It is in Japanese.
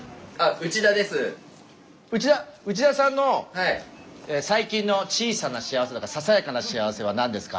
内田内田さんの最近の小さな幸せとかささやかな幸せは何ですか？